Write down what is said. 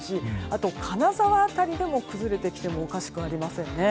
あと金沢辺りでも崩れてきてもおかしくありませんね。